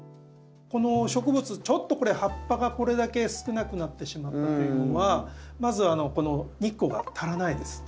この植物ちょっと葉っぱがこれだけ少なくなってしまうというのはまずあそっか。